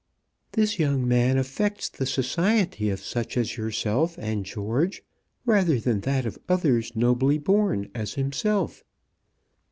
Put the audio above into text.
"This young man affects the society of such as yourself and George, rather than that of others nobly born as himself."